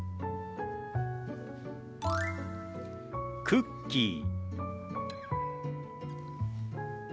「クッキー」。